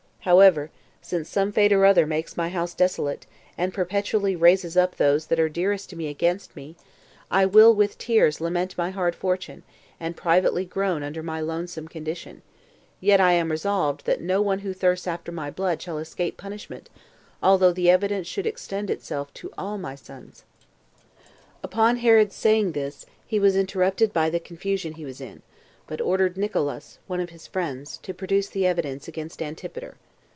However, since some fate or other makes my house desolate, and perpetually raises up those that are dearest to me against me, I will, with tears, lament my hard fortune, and privately groan under my lonesome condition; yet am I resolved that no one who thirsts after my blood shall escape punishment, although the evidence should extend itself to all my sons." 3. Upon Herod's saying this, he was interrupted by the confusion he was in; but ordered Nicolaus, one of his friends, to produce the evidence against Antipater.